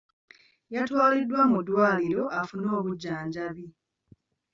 Yatwaliddwa mu ddwaliro afune obujjanjabi.